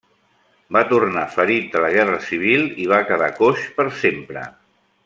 Va tornar ferit de la Guerra Civil i va quedar coix per sempre.